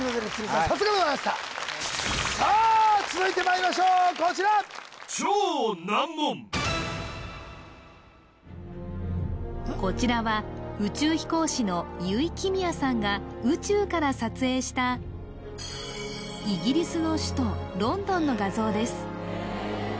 さすがでございましたさあ続いてまいりましょうこちらこちらは宇宙飛行士の油井亀美也さんが宇宙から撮影したイギリスの首都ロンドンの画像です